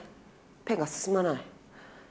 ペンが進まない。